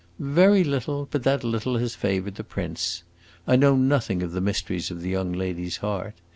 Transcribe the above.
"Very little, but that little has favored the prince. I know nothing of the mysteries of the young lady's heart.